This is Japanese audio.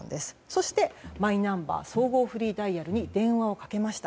そして、マイナンバー総合フリーダイヤルに電話をかけました。